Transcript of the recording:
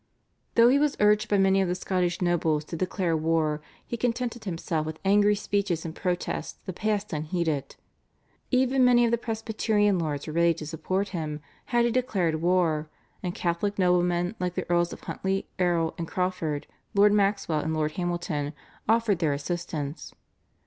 Though he was urged by many of the Scottish nobles to declare war he contented himself with angry speeches and protests that passed unheeded. Even many of the Presbyterian lords were ready to support him had he declared war, and Catholic noblemen like the Earls of Huntly, Erroll, and Crawford, Lord Maxwell, and Lord Hamilton, offered their assistance.